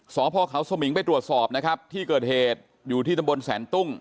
สพเขาสมิงไปตรวจสอบนะครับที่เกิดเหตุอยู่ที่ตำบลแสนตุ้ง